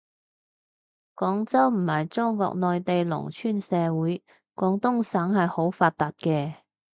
廣州唔係中國內地農村社會，廣東省係好發達嘅